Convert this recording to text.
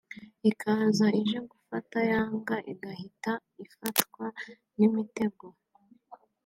ikaza ije gufata ya mbwa igahita ifatwa n’imitego